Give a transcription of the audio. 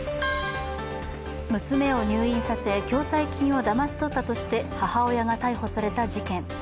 娘を入院させ、共済金をだまし取ったとして母親が逮捕された事件。